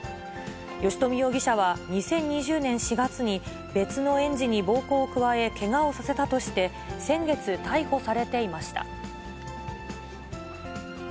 吉冨容疑者は２０２０年４月に、別の園児に暴行を加え、けがをさせたとして、先月逮捕されていました。